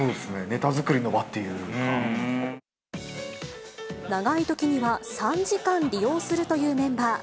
ネタ作り長いときには３時間利用するというメンバー。